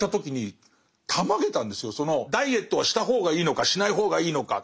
ダイエットはした方がいいのかしない方がいいのか。